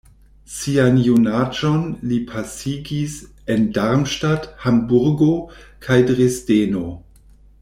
Sian junaĝon li pasigis en Darmstadt, Hamburgo kaj Dresdeno.